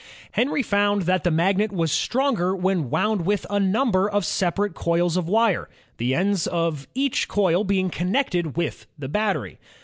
Henry found that the magnet was stronger when woimd with a number of separate coils of wire, the ends of each coil being connected with the battery.